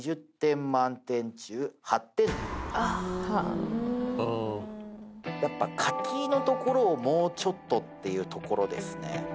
２０点満点中やっぱ書きの所をもうちょっとっていうところですね